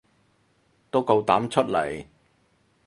都夠膽出嚟